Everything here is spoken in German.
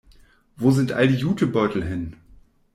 Wo sind all die Jutebeutel hin?